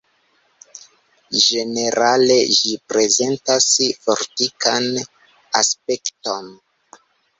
Ĝenerale ĝi prezentas fortikan aspekton.